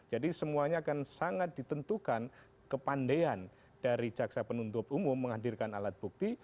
jadi semuanya akan sangat ditentukan kepandean dari jaksa penuntut umum menghadirkan alat bukti